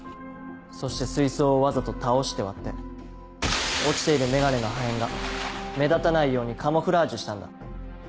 そして水槽をわざと倒して割って落ちている眼鏡の破片が目立たないようにカムフラージュしたんだ。